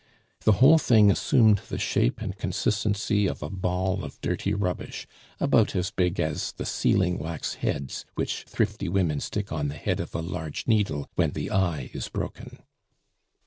The whole thing assumed the shape and consistency of a ball of dirty rubbish, about as big as the sealing wax heads which thrifty women stick on the head of a large needle when the eye is broken.